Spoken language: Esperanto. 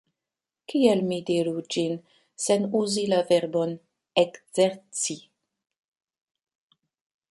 Kiel mi diru ĝin sen uzi la verbon "ekzerci"?